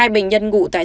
hai bệnh nhân ngủ tại